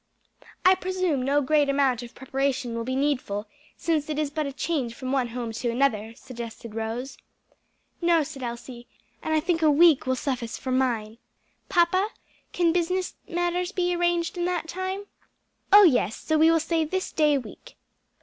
"I presume no great amount of preparation will be needful, since it is but a change from one home to another," suggested Rose. "No," said Elsie, "and I think a week will suffice for mine. Papa, can business matters be arranged in that time?" "Oh yes! so we will say this day week."